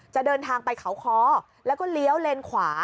จะเดินทางไปเขาคอแล้วก็เลี้ยวเลนขวา